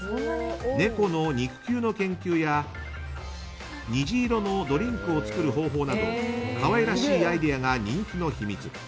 猫の肉球の研究や虹色のドリンクを作る方法など可愛らしいアイデアが人気の秘密。